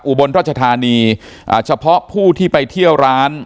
อุบลราชธานีอ่าเฉพาะผู้ที่ไปเที่ยวร้าน